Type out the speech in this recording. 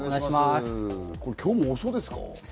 今日も多そうですか？